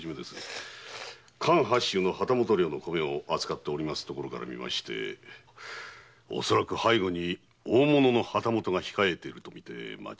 関八州の旗本領の米を扱っているところからみまして恐らく背後に大物の旗本が控えていると思われます。